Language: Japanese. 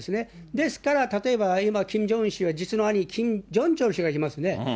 ですから例えば今、キム・ジョンウン氏は、実の兄、キム・ジョンチョル氏がいますね。